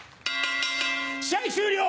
試合終了！